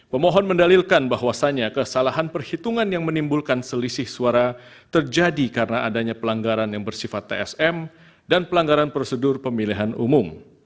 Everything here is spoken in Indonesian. pemohon mendalilkan bahwasannya kesalahan perhitungan yang menimbulkan selisih suara terjadi karena adanya pelanggaran yang bersifat tsm dan pelanggaran prosedur pemilihan umum